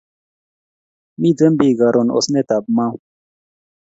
Miten pik karon osnet ab Mau